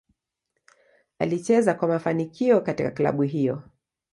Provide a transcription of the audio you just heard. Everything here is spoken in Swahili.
Alicheza kwa kwa mafanikio katika klabu hiyo.